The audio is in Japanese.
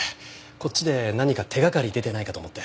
こっちで何か手掛かり出てないかと思って。